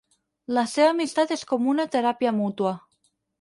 La seva amistat és com una teràpia mútua.